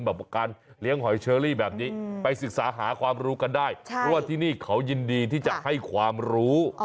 แบบการเลี้ยงหอยเชอรี่แบบนี้ไปศึกษาหาความรู้กันได้เพราะว่าที่นี่เขายินดีที่จะให้ความรู้